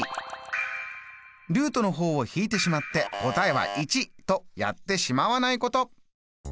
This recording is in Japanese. ルートの方を引いてしまって答えは１！とやってしまわないこと。